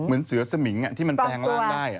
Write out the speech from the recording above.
เหมือนเสือสมิงที่มันแปลงร่างได้